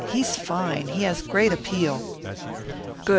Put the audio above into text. He's fine. He has a great appeal." "Good!